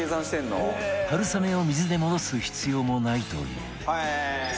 春雨を水で戻す必要もないという